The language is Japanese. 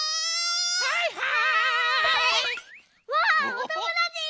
はいはい！